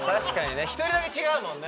一人だけ違うもんね。